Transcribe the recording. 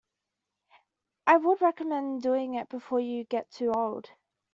I would recommend doing it before you get too old.